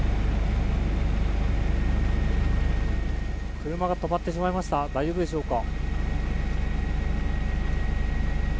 車が止まってしまいました大丈夫でしょうか。